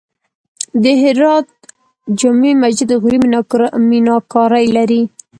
د هرات جمعې مسجد د غوري میناکاري لري